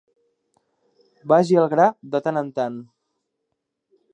Vagi al gra de tant en tant.